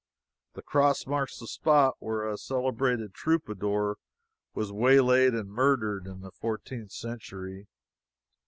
The cross marks the spot where a celebrated troubadour was waylaid and murdered in the fourteenth century.